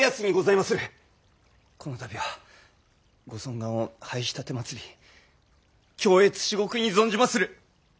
このたびはご尊顔を拝し奉り恐悦至極に存じまする。